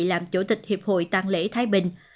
làm chủ tịch hiệp hội tăng lễ thái bình